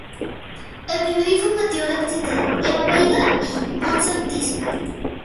El primer informativo lo presentaron Eva Veiga y Mon Santiso.